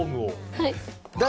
はい。